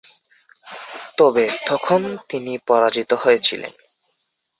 তবে তখন তিনি পরাজিত হয়েছিলেন।